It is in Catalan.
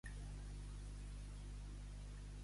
Viure pla i pensament sa.